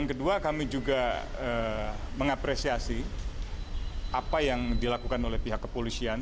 yang kedua kami juga mengapresiasi apa yang dilakukan oleh pihak kepolisian